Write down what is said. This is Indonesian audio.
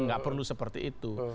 nggak perlu seperti itu